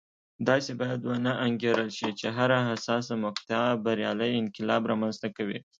داسې باید ونه انګېرل شي چې هره حساسه مقطعه بریالی انقلاب رامنځته کوي.